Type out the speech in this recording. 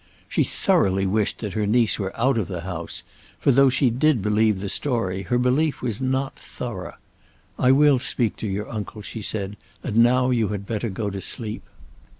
She thoroughly wished that her niece were out of the house; for though she did believe the story, her belief was not thorough. "I will speak to your uncle," she said. "And now you had better go to sleep."